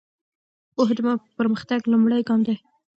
پوهه د پرمختګ لومړی ګام ده.